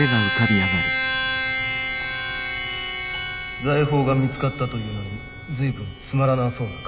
財宝が見つかったというのに随分つまらなそうな顔だ。